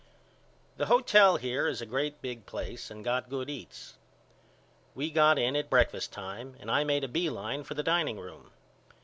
The hotel here is a great big place and got good eats. We got in at breakfast time and I made a B line for the dining room.